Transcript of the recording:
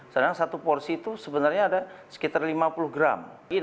sedangkan satu porsi itu sebenarnya ada sekitar lima puluh gram